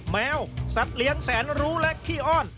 แมวสัตว์เลี้ยงแสนรู้และขี้อ้อน